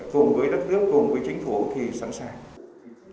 cùng với đất nước cùng với chính phủ thì sẵn sàng